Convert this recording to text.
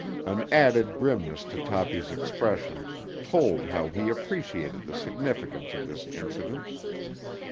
An added grimness to Toppy's expression told how he appreciated the significance of this incident.